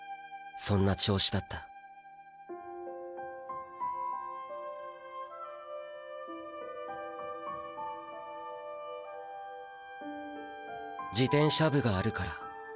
そんな調子だった自転車部があるから。